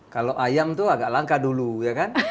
kalau ayam itu agak langka dulu ya kan